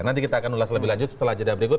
nanti kita akan ulas lebih lanjut setelah jeda berikut